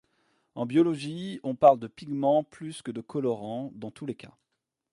En biologie, on parle de pigments plus que de colorants, dans tous les cas.